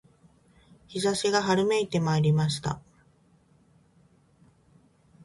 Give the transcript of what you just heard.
陽射しが春めいてまいりました